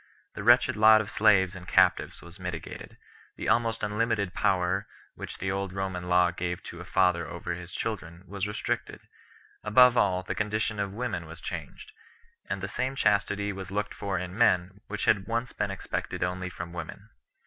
The wretched lot of slaves and captives was mitigated; the almost unlimited power which the old Roman law gave to a father over his children was restricted ; above all, the condition of women was changed, and the same chastity was looked for in men which had once been expected only from women.